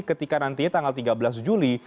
ketika nantinya tanggal tiga belas juli